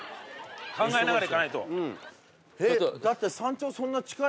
考えながら行かないと。